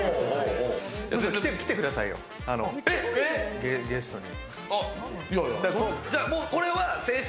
来てくださいよ、ゲストに。